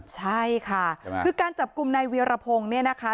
ใช่ค่ะคือการจับกลุ่มในเวียรพงศ์เนี่ยนะคะ